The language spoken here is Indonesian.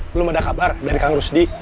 belum ada kabar dari kang rusdi